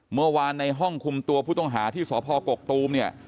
เมื่อวานในห้องคุมตัวผู้ต้องหาที่สพกกตูมเนี่ย